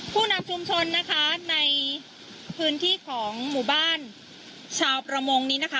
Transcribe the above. ผู้นำชุมชนนะคะในพื้นที่ของหมู่บ้านชาวประมงนี้นะคะ